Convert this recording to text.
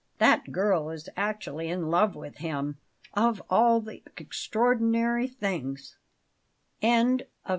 "That girl is actually in love with him! Of all the extraordinary things " CHAPTER VIII.